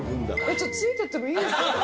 ちょっとついて行ってもいいですか。